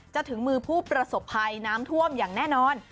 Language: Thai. ถึงมือผู้ประสบภัยน้ำท่วมอย่างแน่นอน